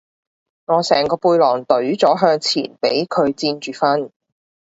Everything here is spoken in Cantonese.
我成個背囊隊咗向前俾佢墊住瞓